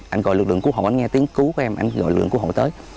anh gọi lực lượng cứu hộ anh nghe tiếng cứu của em anh gọi lực lượng cứu hộ tới